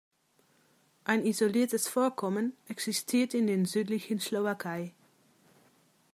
Ein isoliertes Vorkommen existiert in der südlichen Slowakei.